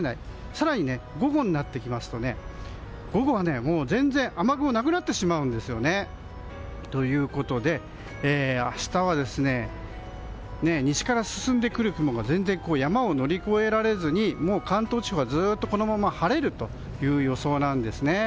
更に午後になってきますと午後は全然雨雲がなくなってしまうんですね。ということで、明日は西から進んでくる雲が全然、山を乗り越えられずに関東地方はずっと、このまま晴れるという予想なんですね。